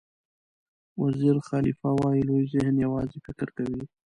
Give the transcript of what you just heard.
ویز خالیفه وایي لوی ذهن یوازې فکر کوي.